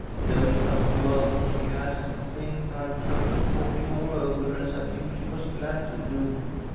Knowing how few outings she has, I encouraged her to talk it all over, as I knew she was glad to do.